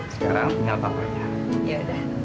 sekarang tinggal papa ya